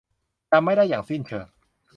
จำไม่ได้อย่างสิ้นเชิง